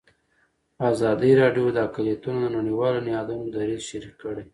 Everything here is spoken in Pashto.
ازادي راډیو د اقلیتونه د نړیوالو نهادونو دریځ شریک کړی.